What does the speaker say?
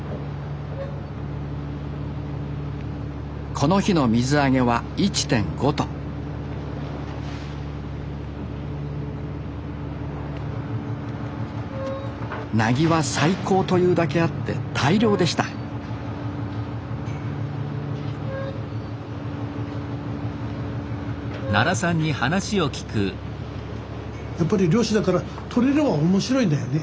この日の水揚げは１．５ｔなぎは最高というだけあって大量でしたやっぱり漁師だから取れれば面白いんだよね。